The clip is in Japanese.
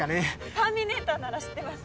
『ターミネーター』なら知ってます。